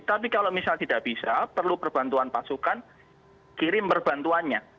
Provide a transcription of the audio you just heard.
tapi kalau misal tidak bisa perlu perbantuan pasukan kirim perbantuannya